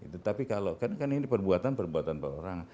tetapi kalau karena ini perbuatan perbuatan orang